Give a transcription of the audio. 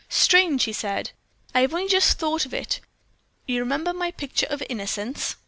"Strange!" he said. "I have only just thought of it. You remember my picture of 'Innocence?'"